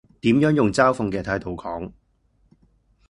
點樣用嘲諷嘅態度講？